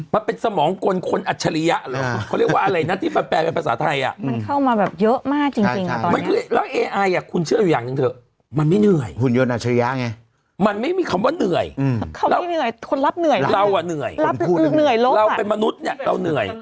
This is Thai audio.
มันไม่เหนื่อยมันไม่มีคำว่าเหนื่อยเราเหนื่อยเราเป็นมนุษย์เนี่ยเราเหนื่อย